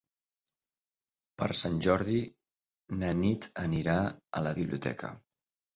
Per Sant Jordi na Nit anirà a la biblioteca.